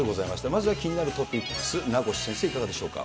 まずは気になるトピックス、名越先生、いかがでしょう